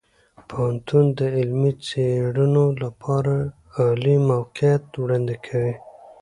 پوهنتون د علمي څیړنو لپاره عالي موقعیت وړاندې کوي.